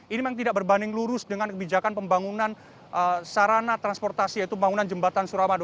ini memang tidak berbanding lurus dengan kebijakan pembangunan sarana transportasi yaitu pembangunan jembatan suramadu